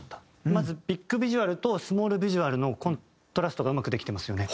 まずビッグビジュアルとスモールビジュアルのコントラストがうまくできてますよね。